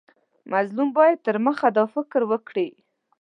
مظلوم باید تر دمخه دا فکر وکړي.